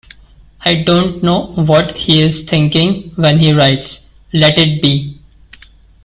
I don't know what he's thinking when he writes "Let It Be".